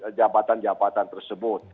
dan jabatan jabatan tersebut